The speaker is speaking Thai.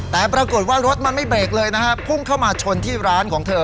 แต่ปรากฏว่ารถมันไม่เบรกเลยนะฮะพุ่งเข้ามาชนที่ร้านของเธอ